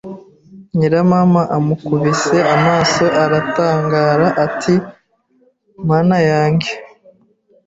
Nyiramama amukubise amaso aratangara ati mana yange